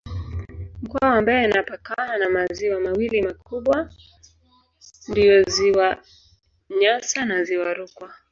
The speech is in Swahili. Mkoa wa Mbeya inapakana na maziwa mawili makubwa ndiyo Ziwa Nyasa na Ziwa Rukwa.